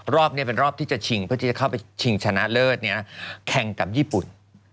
รอบนี้เป็นรอบที่จะชิงเพื่อที่จะเข้าไปชิงชนะเลิศแข่งกับญี่ปุ่น